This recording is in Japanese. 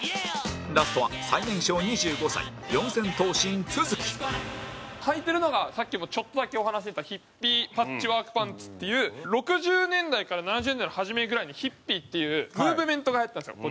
ラストは最年少２５歳四千頭身都築穿いてるのがさっきもちょっとだけお話出たヒッピーパッチワークパンツっていう６０年代から７０年代の初めぐらいにヒッピーっていうムーブメントがはやったんですよ